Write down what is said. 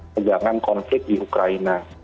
pegangan konflik di ukraina